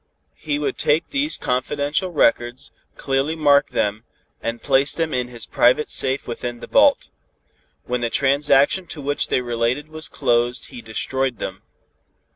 He would take these confidential records, clearly mark them, and place them in his private safe within the vault. When the transaction to which they related was closed he destroyed them.